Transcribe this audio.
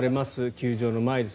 球場の前です。